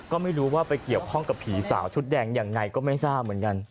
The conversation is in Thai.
ก็ไม่รู้ว่าไปเกี่ยวข้องกับผีสาวชุดแดงยังไงก็ไม่ทราบเหมือนกัน